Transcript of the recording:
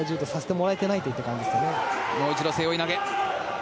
もう一度、背負い投げ。